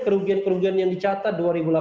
kerugian kerugian yang dicatat